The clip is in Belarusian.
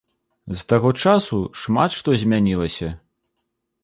З таго часу шмат што змянілася.